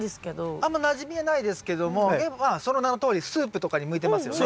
あんまなじみはないですけどもでもまあその名のとおりスープとかに向いてますよね。